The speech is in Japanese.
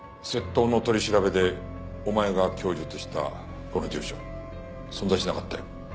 窃盗の取り調べでお前が供述したこの住所存在しなかったよ。